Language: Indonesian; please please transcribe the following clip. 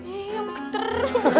iya ama keter